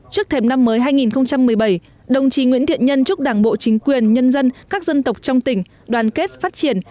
trước thềm năm mới hai nghìn một mươi bảy đồng chí nguyễn thiện nhân chúc đảng bộ chính quyền nhân dân các dân tộc trong tỉnh đoàn kết phát triển